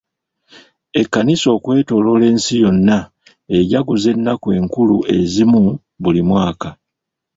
Ekkanisa okwetooloola ensi yonna ejaguza ennaku enkulu ezimu buli mwaka.